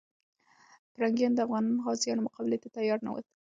پرنګیانو د افغان غازیانو مقابلې ته تیار نه ول.